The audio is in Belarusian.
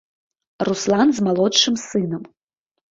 Руслан з малодшым сынам.